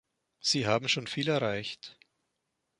Sie haben schon viel erreicht.